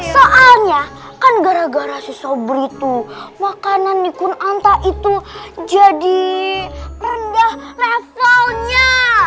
soalnya kan gara gara si sobri itu makanan nikun anta itu jadi rendah levelnya